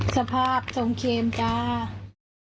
สภาพจงเค็มครับ